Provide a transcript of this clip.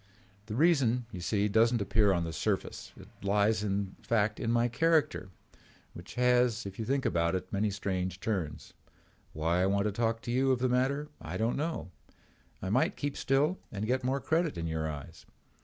The reason, you see, does not appear on the surface. It lies in fact in my character, which has, if you think about it, many strange turns. Why I want to talk to you of the matter I don't know. I might keep still and get more credit in your eyes.